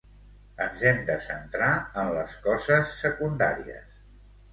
Ens hem de centrar en les coses secundàries.